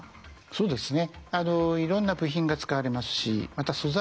そうですね